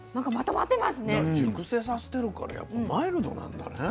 熟成させてるからやっぱマイルドなんだね。